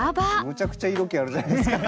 むちゃくちゃ色気あるじゃないですか。